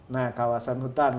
nah kawasan hutan